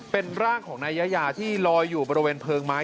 เป็นร่างของนายยายาที่ลอยอยู่บริเวณเพลิงไม้